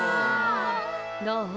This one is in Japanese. どう？